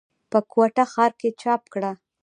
پۀ کوټه ښارکښې چاپ کړه ۔